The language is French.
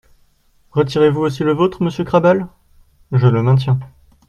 Retirez-vous aussi le vôtre, monsieur Krabal ? Je le maintiens.